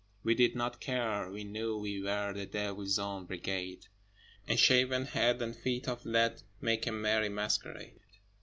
We did not care: we knew we were The Devil's Own Brigade: And shaven head and feet of lead Make a merry masquerade.